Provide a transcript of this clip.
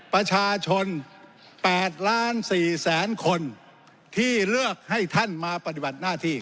ประชาชน๘ล้าน๔แสนคนที่เลือกให้ท่านมาปฏิบัติหน้าที่